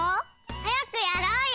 はやくやろうよ！